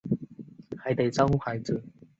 还得照顾孩子